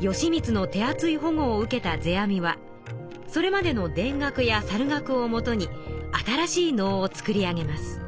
義満の手厚い保護を受けた世阿弥はそれまでの田楽や猿楽をもとに新しい能を作り上げます。